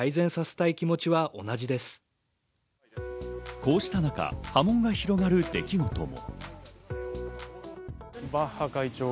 こうした中、波紋が広がる出来事も。